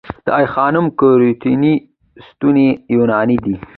د آی خانم کورینتی ستونې یوناني دي